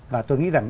và tôi nghĩ rằng